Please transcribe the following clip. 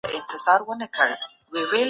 فساد کوونکي بايد مجازات سي.